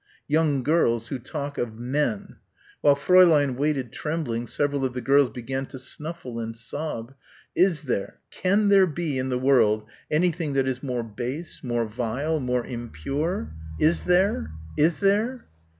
"Young girls ... who talk ... of men." While Fräulein waited, trembling, several of the girls began to snuffle and sob. "Is there, can there be in the world anything that is more base, more vile, more impure? Is there? Is there?"